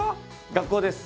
学校です。